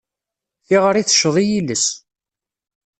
Tiɣri tecceḍ i yiles.